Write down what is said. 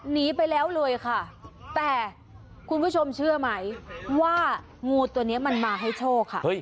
หนีไปแล้วเลยค่ะแต่คุณผู้ชมเชื่อไหมว่างูตัวนี้มันมาให้โชคค่ะ